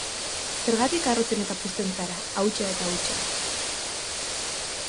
Zergatik harrotzen eta puzten zara, hautsa eta hutsa?